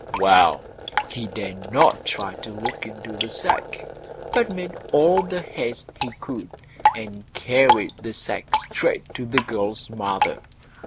Well, he dared not try to look into the sack, but made all the haste he could, and carried the sack straight to the girl's mother.